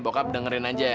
bokap dengerin aja